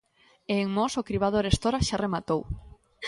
E en Mos, o cribado arestora xa rematou.